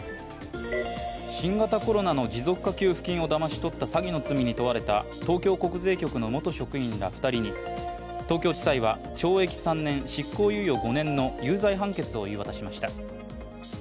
新型コロナの持続化給付金をだまし取った詐欺の罪に問われた東京国税局の元職員ら２人に東京地裁は懲役３年、執行猶予５年の有罪判決を言い渡しました。